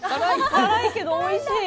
辛いけどおいしい！